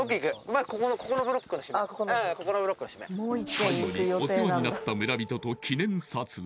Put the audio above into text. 最後にお世話になった村人と記念撮影